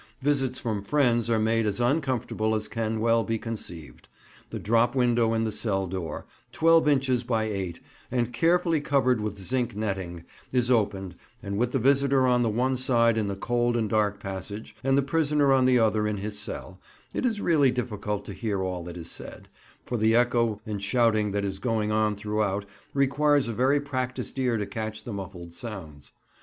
Visits from friends are made as uncomfortable as can well be conceived; the drop window in the cell door, 12 inches by 8, and carefully covered with zinc netting, is opened, and with the visitor on the one side in the cold and dark passage, and the prisoner on the other in his cell, it is really difficult to hear all that is said, for the echo and shouting that is going on throughout requires a very practised ear to catch the muffled sounds.